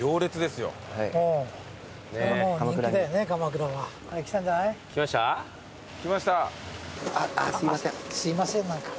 すいません何か。